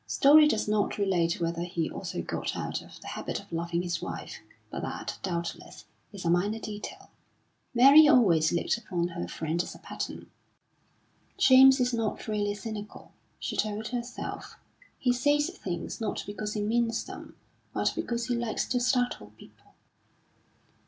Story does not relate whether he also got out of the habit of loving his wife; but that, doubtless, is a minor detail. Mary always looked upon her friend as a pattern. "James is not really cynical," she told herself. "He says things, not because he means them, but because he likes to startle people."